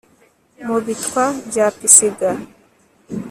mu bitwa bya pisiga